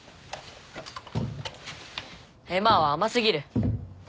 エマは甘すぎる。